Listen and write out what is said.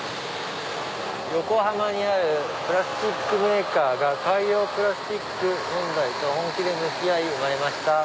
「横浜にあるプラスチックメーカーが海洋プラスチック問題と本気で向き合い生まれました」。